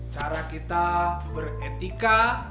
cara kita beretika